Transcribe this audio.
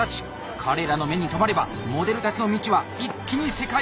彼らの目に留まればモデルたちの道は一気に世界へと開かれます！